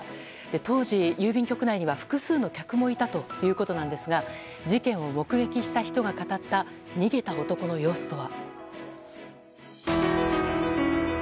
当時、郵便局内には複数の客もいたということなんですが事件を目撃した人が語った逃げた男の様子とは？